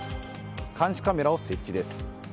監視カメラを設置です。